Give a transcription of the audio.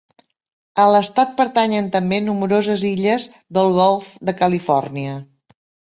A l'estat pertanyen també nombroses illes del golf de Califòrnia.